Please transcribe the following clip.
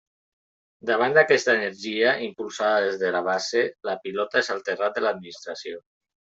Davant d'aquesta energia impulsada des de la base, la pilota és al terrat de l'administració.